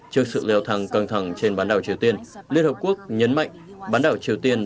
trước sự leo thang căng thẳng trên bán đảo triều tiên liên hợp quốc nhấn mạnh bán đảo triều tiên